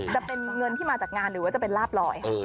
จะเป็นเงินที่มาจากงานหรือว่าจะเป็นลาบลอย